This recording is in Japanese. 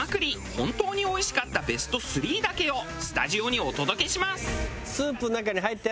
本当においしかったベスト３だけをスタジオにお届けします。